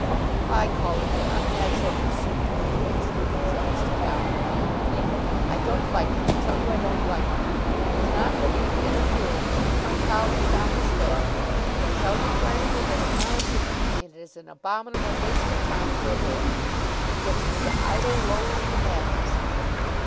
"I call it an unnatural pursuit for boys," said Mr. Downing vehemently. "I don't like it. I tell you I don't like it. It is not for me to interfere with one of my colleagues on the staff, but I tell you frankly that in my opinion it is an abominable waste of time for a boy. It gets him into idle, loafing habits."